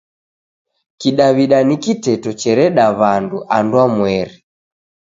Kidaw'ida ni kiteto chereda w'andu andwamweri.